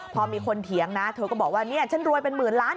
พอมีคนเถียงนะเธอก็บอกว่าเนี่ยฉันรวยเป็นหมื่นล้าน